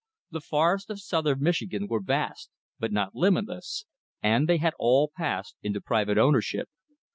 The forests of southern Michigan were vast, but not limitless, and they had all passed into private ownership.